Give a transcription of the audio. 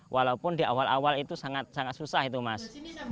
walaupun di awal awal itu sangat sangat susah itu mas